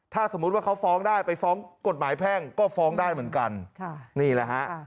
ถ้าสมมุติว่าเขาฟ้องได้ไปฟ้องกฎหมายแพ่งก็ฟ้องได้เหมือนกันนี่แหละฮะ